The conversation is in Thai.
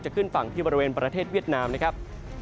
ขึ้นฝั่งที่บริเวณประเทศเวียดนามนะครับ